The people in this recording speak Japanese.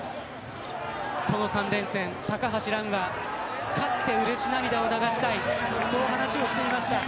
この３連戦、高橋藍が勝って、うれし涙を流したそう話をしていました。